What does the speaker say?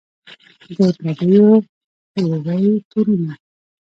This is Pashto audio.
د پردیو پیروۍ تورونه